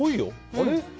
あれ？